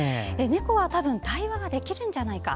猫は多分対話ができるんじゃないか。